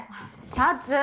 シャツ。